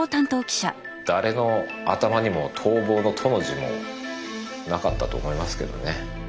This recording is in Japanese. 誰も頭にも逃亡の「と」の字もなかったと思いますけどね。